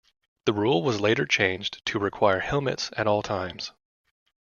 The rule was later changed to require helmets at all times.